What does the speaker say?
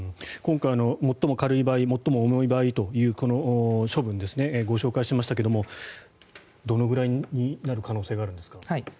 今回の最も軽い場合最も重い場合の処分をご紹介しましたけれどどのくらいになる可能性があるんですか。